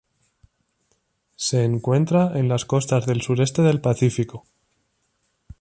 Se encuentra en las costas del sureste del Pacífico.